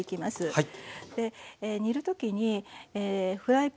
はい。